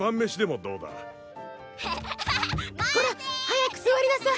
早く座りなさい！